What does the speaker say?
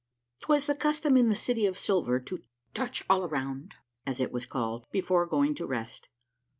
'Twas the custom in the City of Silver to "touch all around," as it was called, before going to rest.